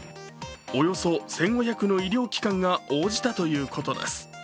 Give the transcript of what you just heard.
およそ１５００の医療機関が応じたということです。